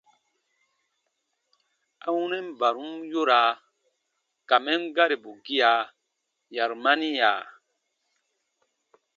A wunɛn barum yoraa ka mɛn garibu gia, yarumaniya.